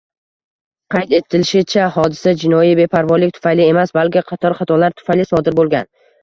Qayd etilishicha, hodisa jinoiy beparvolik tufayli emas, balki qator xatolar tufayli sodir bo‘lgan